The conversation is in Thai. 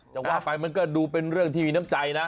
จะว่าไปมันก็ดูเป็นเรื่องที่มีน้ำใจนะ